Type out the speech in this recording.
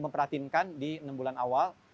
memperhatikan di enam bulan awal